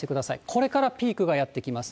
これからピークがやって来ます。